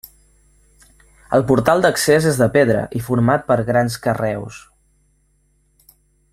El portal d'accés és de pedra i format per grans carreus.